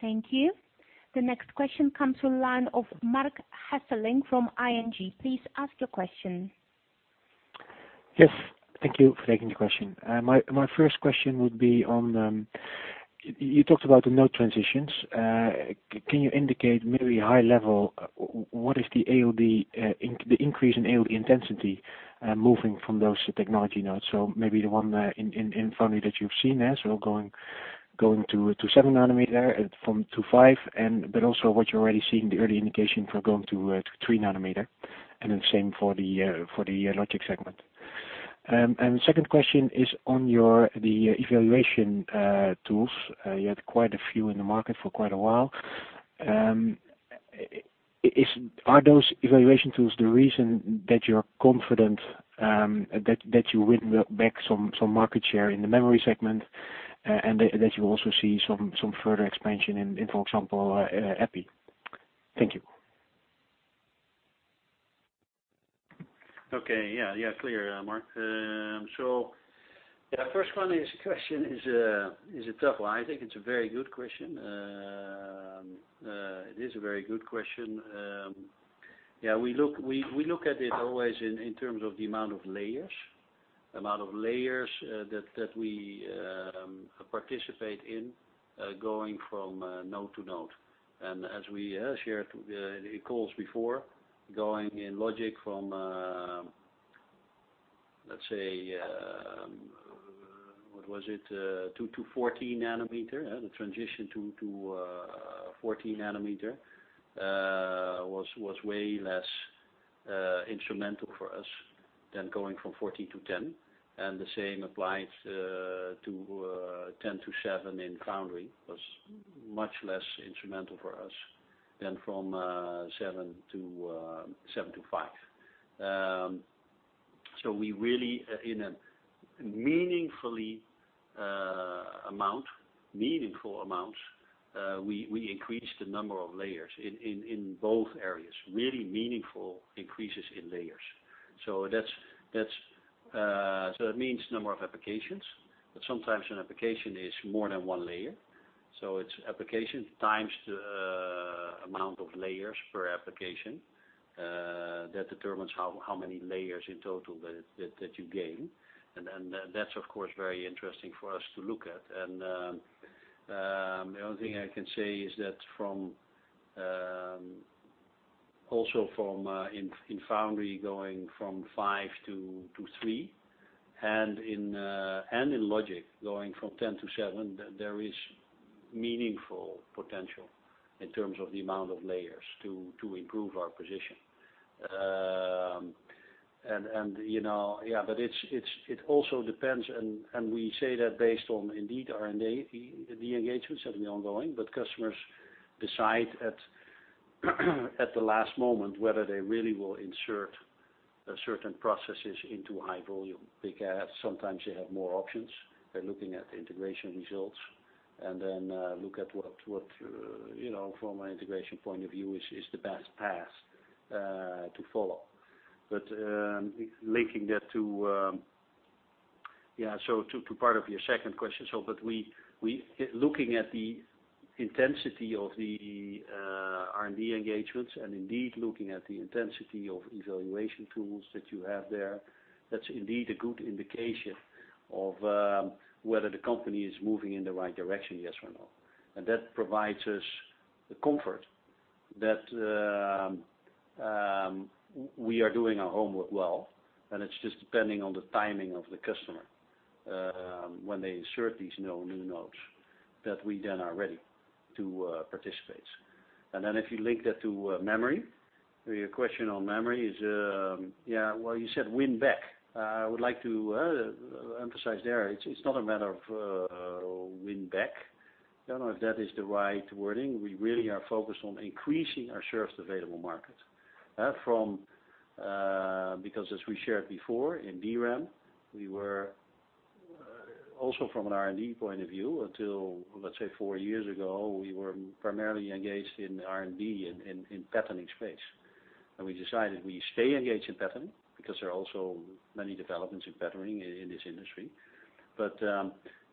Thank you. The next question comes to line of Marc Hesselink from ING. Please ask your question. Yes. Thank you for taking the question. My first question would be, you talked about the node transitions. Can you indicate maybe high level, what is the increase in ALD intensity, moving from those technology nodes? Maybe the one in foundry that you've seen there. Going to seven nanometer from 25, also what you're already seeing the early indication for going to three nanometer, same for the logic segment. Second question is on the evaluation tools. You had quite a few in the market for quite a while. Are those evaluation tools the reason that you're confident that you win back some market share in the memory segment, and that you also see some further expansion in, for example, EPI? Thank you. Okay. Yeah. Clear, Marc. The first one is a question, is a tough one. I think it's a very good question. It is a very good question. We look at it always in terms of the amount of layers, amount of layers that we participate in, going from node to node. As we shared in calls before, going in logic from, let's say, what was it? two to 14 nanometer. The transition to 14 nanometer was way less instrumental for us than going from 14 to 10. The same applies to 10 to seven in foundry, was much less instrumental for us than from seven to five. We really, in a meaningful amount, we increased the number of layers in both areas, really meaningful increases in layers. That means number of applications, but sometimes an application is more than one layer. It's application times amount of layers per application, that determines how many layers in total that you gain. That's of course, very interesting for us to look at. The only thing I can say is that also in foundry, going from 5 to 3 and in logic, going from 10 to 7, there is meaningful potential in terms of the amount of layers to improve our position. It also depends, and we say that based on indeed R&D, the engagements that are ongoing, but customers decide at the last moment whether they really will insert certain processes into high volume. Sometimes they have more options. They're looking at the integration results and then, look at what from an integration point of view, is the best path to follow. Linking that to part of your second question, looking at the intensity of the R&D engagements and indeed looking at the intensity of evaluation tools that you have there, that's indeed a good indication of whether the company is moving in the right direction, yes or no. That provides us the comfort that we are doing our homework well, and it's just depending on the timing of the customer, when they insert these new nodes that we then are ready to participate. If you link that to memory, your question on memory is, well, you said win back. I would like to emphasize there, it's not a matter of win back. I don't know if that is the right wording. We really are focused on increasing our shares available market. As we shared before in DRAM, we were also from an R&D point of view, until, let's say 4 years ago, we were primarily engaged in R&D in patterning space. We decided we stay engaged in patterning because there are also many developments in patterning in this industry.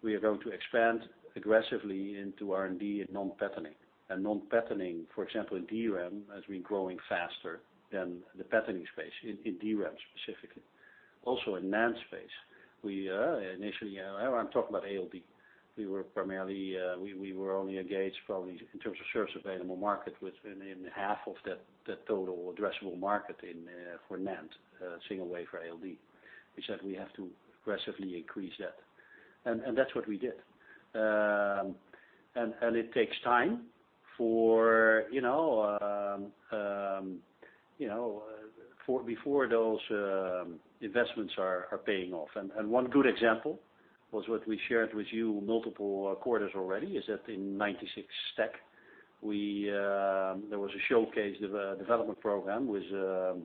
We are going to expand aggressively into R&D and non-patterning. Non-patterning, for example, in DRAM, has been growing faster than the patterning space in DRAM specifically. Also in NAND space. Initially, I'm talking about ALD. We were only engaged probably in terms of served available market within 1/2 of that total addressable market for NAND, single wafer ALD. We said we have to aggressively increase that, and that's what we did. It takes time before those investments are paying off. One good example was what we shared with you multiple quarters already, is that in 96 stack, there was a showcase of a development program with a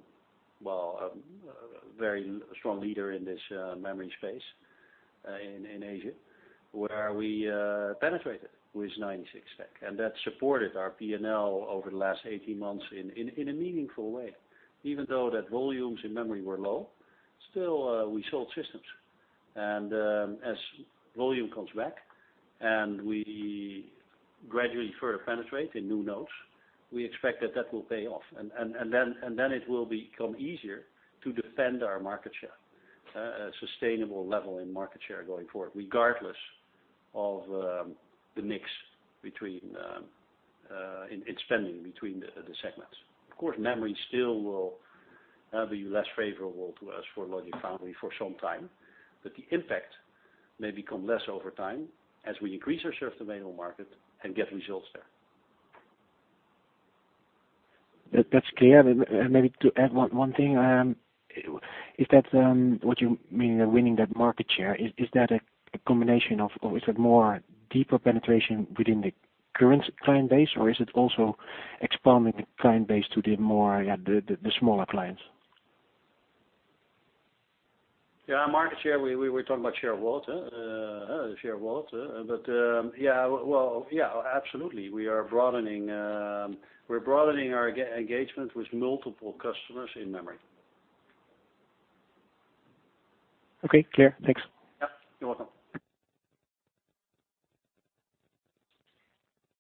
very strong leader in this memory space, in Asia, where we penetrated with 96 stack. That supported our P&L over the last 18 months in a meaningful way. Even though that volumes in memory were low, still we sold systems. As volume comes back and we gradually further penetrate in new nodes, we expect that that will pay off. Then it will become easier to defend our market share, a sustainable level in market share going forward, regardless of the mix in spending between the segments. Of course, memory still will be less favorable to us for logic foundry for some time, but the impact may become less over time as we increase our share of available market and get results there. That's clear. Maybe to add one thing. Is that what you mean winning that market share? Is that a combination of, or is it more deeper penetration within the current client base, or is it also expanding the client base to the smaller clients? Yeah, market share, we're talking about share of wallet. Yeah, absolutely. We are broadening our engagement with multiple customers in memory. Okay, clear. Thanks. Yeah. You're welcome.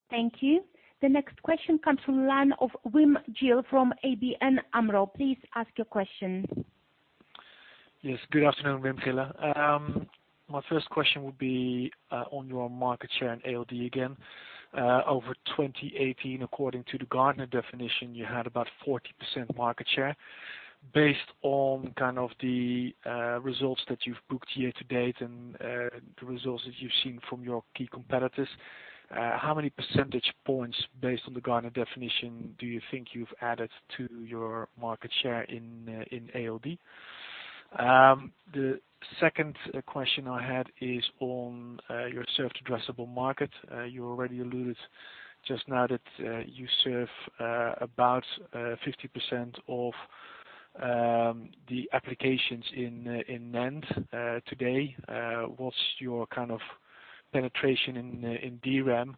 Thank you. The next question comes from line of Wim Gille from ABN AMRO. Please ask your question. Yes, good afternoon, Wim Gille. My first question would be on your market share and ALD again. Over 2018, according to the Gartner definition, you had about 40% market share. Based on the results that you've booked year to date and the results that you've seen from your key competitors, how many percentage points, based on the Gartner definition, do you think you've added to your market share in ALD? The second question I had is on your served addressable market. You already alluded just now that you serve about 50% of the applications in NAND today. What's your kind of penetration in DRAM?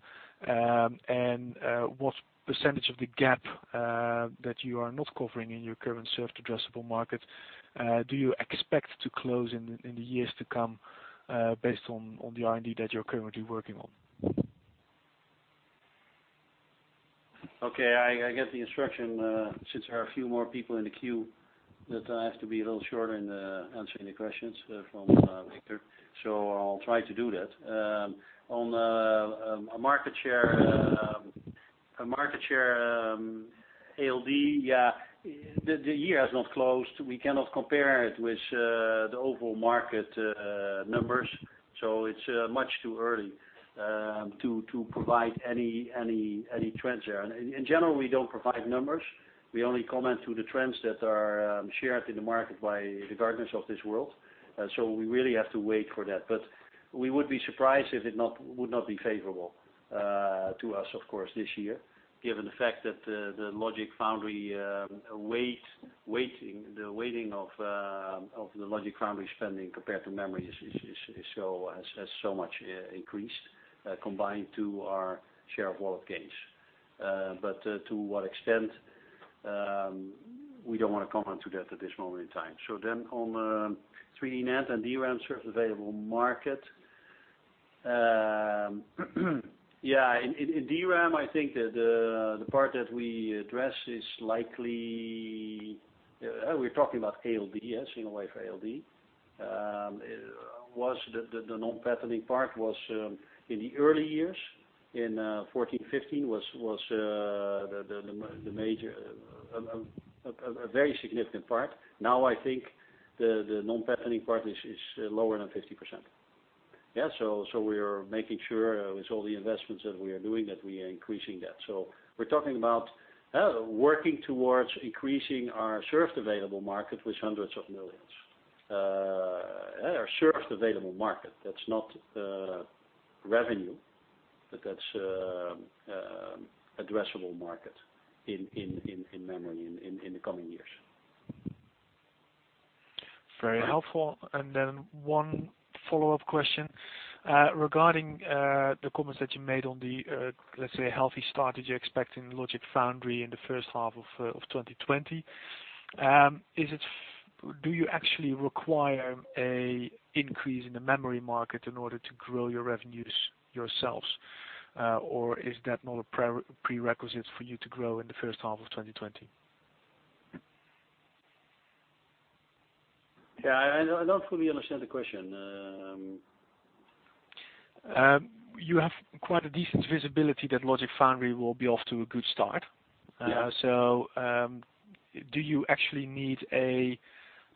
What percentage of the gap that you are not covering in your current served addressable market do you expect to close in the years to come, based on the R&D that you're currently working on? Okay. I get the instruction, since there are a few more people in the queue, that I have to be a little shorter in answering the questions from Victor. I'll try to do that. On market share ALD, the year has not closed. We cannot compare it with the overall market numbers. It's much too early to provide any trends there. In general, we don't provide numbers. We only comment to the trends that are shared in the market by the Gartners of this world. We really have to wait for that. We would be surprised if it would not be favorable to us, of course, this year, given the fact that the weighting of the logic foundry spending compared to memory has so much increased, combined to our share of wallet gains. To what extent? We don't want to comment to that at this moment in time. On 3D NAND and DRAM served available market. In DRAM, I think that the part that we address is likely, we're talking about ALD, yes, in a way, for ALD. The non-patterning part was in the early years, in 2014, 2015, was a very significant part. Now I think the non-patterning part is lower than 50%. We are making sure with all the investments that we are doing, that we are increasing that. We're talking about working towards increasing our served available market with hundreds of millions EUR. Our served available market. That's not revenue, but that's addressable market in memory in the coming years. Very helpful. One follow-up question regarding the comments that you made on the, let's say, healthy start that you expect in logic foundry in the first half of 2020. Do you actually require an increase in the memory market in order to grow your revenues yourselves, or is that not a prerequisite for you to grow in the first half of 2020? I don't fully understand the question. You have quite a decent visibility that logic foundry will be off to a good start. Yeah. Do you actually need a,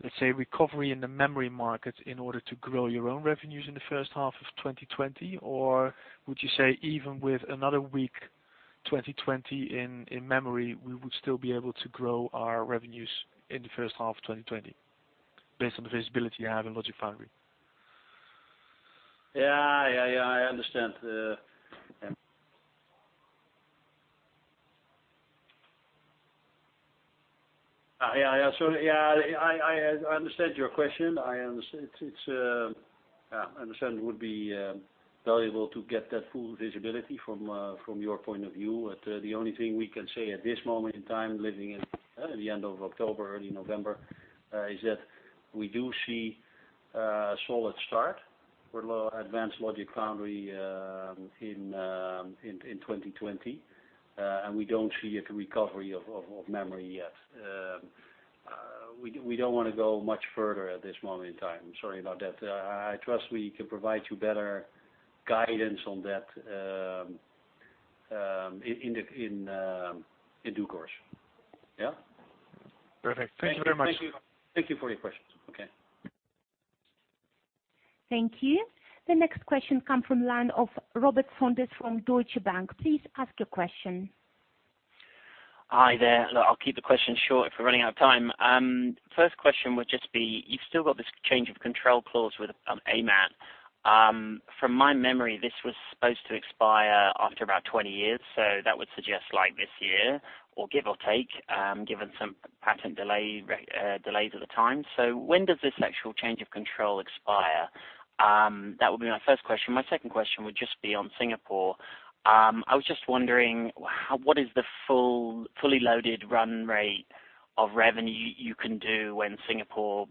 let's say, recovery in the memory market in order to grow your own revenues in the first half of 2020? Would you say even with another weak 2020 in memory, we would still be able to grow our revenues in the first half of 2020 based on the visibility you have in logic foundry? Yeah. I understand. I understood your question. I understand it would be valuable to get that full visibility from your point of view. The only thing we can say at this moment in time, living at the end of October, early November, is that we do see a solid start for advanced logic foundry in 2020. We don't see a recovery of memory yet. We don't want to go much further at this moment in time. Sorry about that. I trust we can provide you better guidance on that in due course. Yeah? Perfect. Thank you very much. Thank you for your questions. Okay. Thank you. The next question come from line of Robert Sanders from Deutsche Bank. Please ask your question. Hi there. Look, I'll keep the question short. We're running out of time. First question would just be, you've still got this change of control clause with AMAT. From my memory, this was supposed to expire after about 20 years, so that would suggest this year, or give or take, given some patent delays at the time. When does this actual change of control expire? That would be my first question. My second question would just be on Singapore. I was just wondering, what is the fully loaded run rate of revenue you can do when Singapore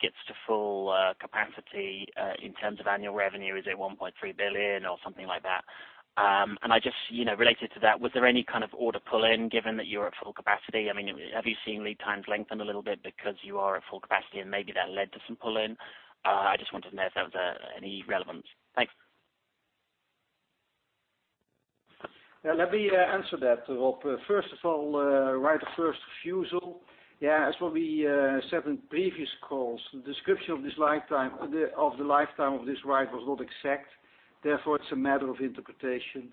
gets to full capacity, in terms of annual revenue? Is it 1.3 billion or something like that? Just related to that, was there any kind of order pull-in given that you're at full capacity? Have you seen lead times lengthen a little bit because you are at full capacity and maybe that led to some pull-in? I just wanted to know if that was any relevant. Thanks. Let me answer that, Robert. First of all, right of first refusal. As what we said in previous calls, the description of the lifetime of this right was not exact, therefore, it's a matter of interpretation.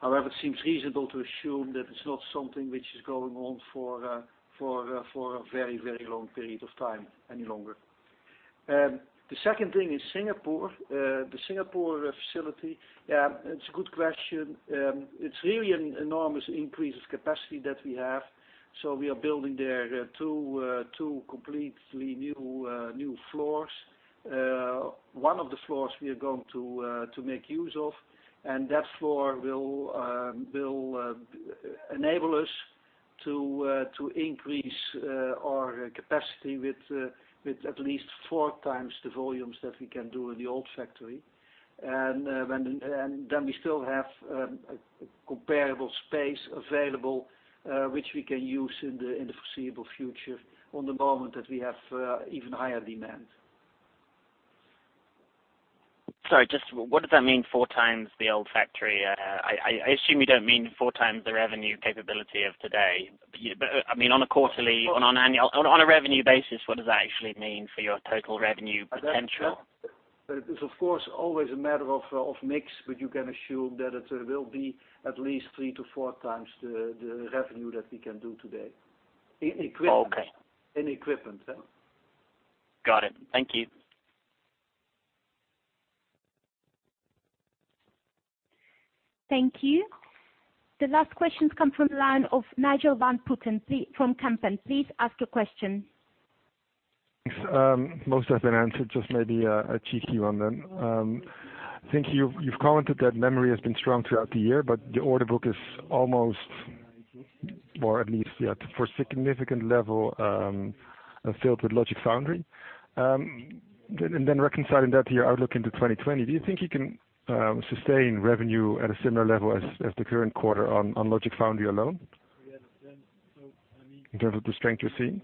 However, it seems reasonable to assume that it's not something which is going on for a very long period of time any longer. The second thing is Singapore, the Singapore facility. It's a good question. It's really an enormous increase of capacity that we have. We are building there two completely new floors. One of the floors we are going to make use of, and that floor will enable us to increase our capacity with at least four times the volumes that we can do in the old factory. We still have a comparable space available, which we can use in the foreseeable future on the moment that we have even higher demand. Sorry, just what does that mean, four times the old factory? I assume you don't mean four times the revenue capability of today. On a quarterly, on an annual, on a revenue basis, what does that actually mean for your total revenue potential? That is, of course, always a matter of mix. You can assume that it will be at least three to four times the revenue that we can do today in equipment. Okay. In equipment, yeah. Got it. Thank you. Thank you. The last questions come from the line of Nigel van Putten from Kempen. Please ask your question. Thanks. Most have been answered, just maybe a cheeky one then. Thank you. You've commented that memory has been strong throughout the year, but your order book is almost, or at least for a significant level, filled with logic foundry. Reconciling that to your outlook into 2020, do you think you can sustain revenue at a similar level as the current quarter on logic foundry alone, in terms of the strength you're seeing?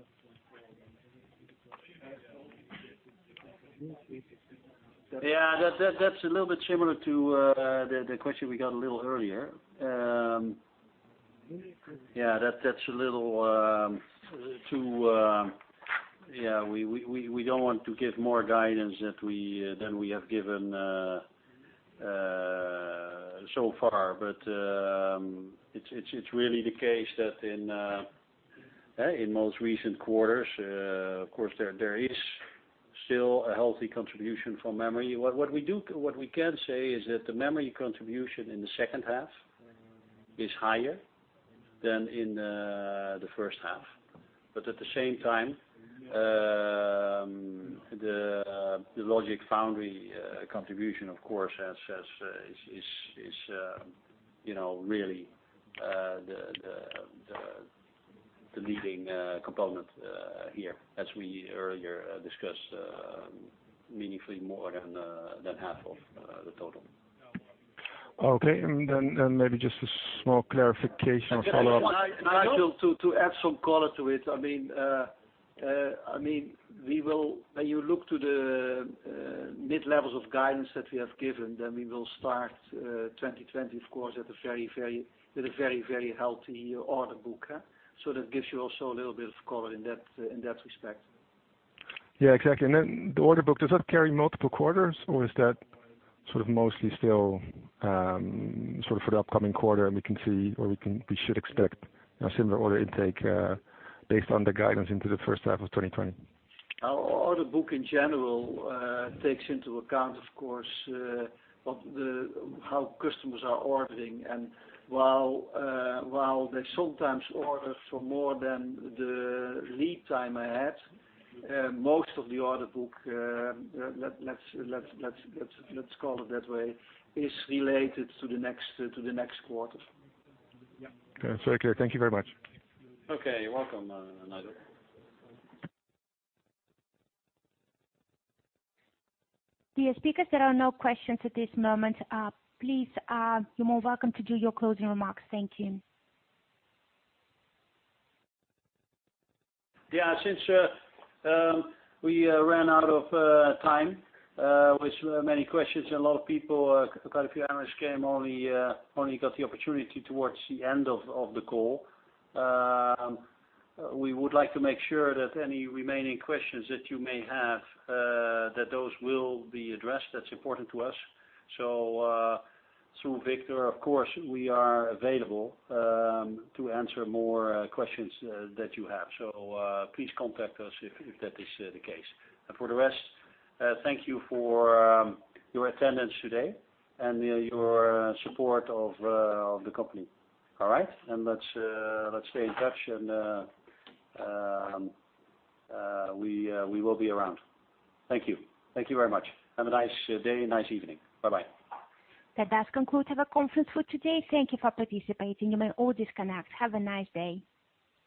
Yeah, that's a little bit similar to the question we got a little earlier. We don't want to give more guidance than we have given so far. It's really the case that in most recent quarters, of course, there is still a healthy contribution from memory. What we can say is that the memory contribution in the second half is higher than in the first half. At the same time, the logic foundry contribution, of course, is really the leading component here, as we earlier discussed, meaningfully more than half of the total. Okay. Maybe just a small clarification or follow-up. Nigel, to add some color to it. When you look to the mid levels of guidance that we have given, we will start 2020, of course, with a very healthy order book. That gives you also a little bit of color in that respect. Yeah, exactly. The order book, does that carry multiple quarters, or is that sort of mostly still for the upcoming quarter and we should expect a similar order intake based on the guidance into the first half of 2020? Our order book in general takes into account, of course, how customers are ordering. While they sometimes order for more than the lead time I had, most of the order book, let's call it that way, is related to the next quarter. Yeah. Okay. It's very clear. Thank you very much. Okay. You're welcome, Nigel. Dear speakers, there are no questions at this moment. Please, you're more welcome to do your closing remarks. Thank you. Yeah. Since we ran out of time, with many questions and a lot of people, quite a few analysts only got the opportunity towards the end of the call. We would like to make sure that any remaining questions that you may have, that those will be addressed. That's important to us. Through Victor, of course, we are available to answer more questions that you have. Please contact us if that is the case. For the rest, thank you for your attendance today and your support of the company. All right? Let's stay in touch and we will be around. Thank you. Thank you very much. Have a nice day. Nice evening. Bye-bye. That does conclude our conference for today. Thank you for participating. You may all disconnect. Have a nice day.